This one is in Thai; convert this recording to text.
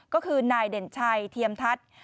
ก็คือนายเด่นชัยเทียมทัศน์